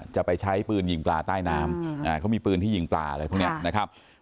จะไปใช้ปืนยิงปลาใต้น้ำเขามีปืนที่ยิงปลาอะไรพวกนี้นะครับ